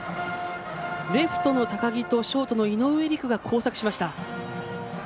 レフトの高木とショートの井上陸が交錯しました。